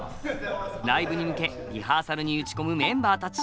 ライブに向けリハーサルに打ち込むメンバーたち。